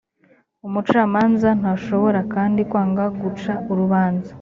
umucamanza ntashobora kandi kwanga guca urubanza